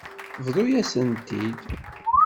Bḍu-yas-tent-id.